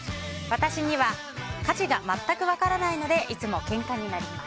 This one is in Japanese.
私には価値が全く分からないのでいつもけんかになります。